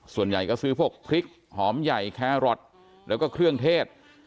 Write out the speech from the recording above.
ส่วนใหญ่ก็ซื้อพวกพริกหอมใหญ่แครอทแล้วก็เครื่องเทศ